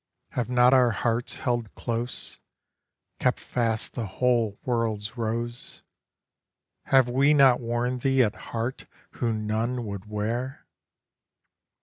Have not our hearts held close, Kept fast the whole world's rose? Have we not worn thee at heart whom none would wear?